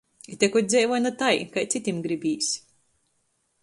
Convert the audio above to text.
Ite kod dzeivoj na tai, kai cytim gribīs.